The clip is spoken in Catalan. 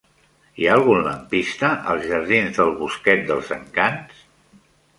Hi ha algun lampista als jardins del Bosquet dels Encants?